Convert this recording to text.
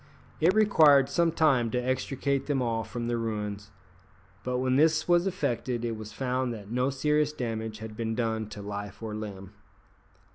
It required some time to extricate them all from the ruins, but when this was effected it was found that no serious damage had been done to life or limb.